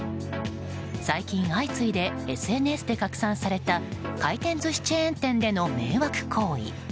最近、相次いでＳＮＳで拡散された回転寿司チェーン店での迷惑行為。